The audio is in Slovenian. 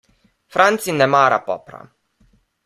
Franci ne mara popra.